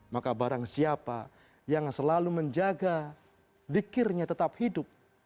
maka barang siapa yang selalu menjaga dikirnya tetap hidup